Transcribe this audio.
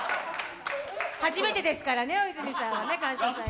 初めてですからね、大泉さんはね、「感謝祭」。